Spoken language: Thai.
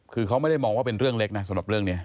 คือเขาไม่ได้มองว่าเป็นเรื่องเล็กนะสำหรับเรื่องนี้